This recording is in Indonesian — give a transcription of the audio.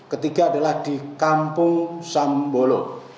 ketiga adalah di kampung sambolo